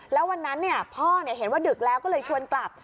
แล้ววันนั้นพ่อเห็นว่าดึกแล้วก็เลยชวนกลับ